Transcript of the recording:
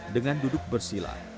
dengan duduk bersilah